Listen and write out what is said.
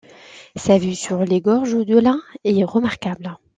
Sa vue sur les gorges de l'Ain est remarquable.